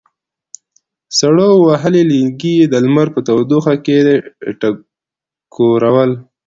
سړو وهلي لېنګي یې د لمر په تودوخه کې ټکورول.